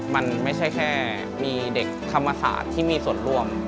มันไม่ใช่แค่มีเด็กธรรมศาสตร์ที่มีส่วนร่วม